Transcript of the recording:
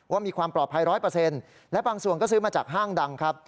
ว่ามีความปลอดภัยร้อยเปอร์เซ็นต์และบางส่วนก็ซื้อมาจากห้างดังครับ